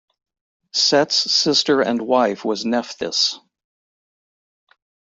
Set's sister and wife was Nephthys.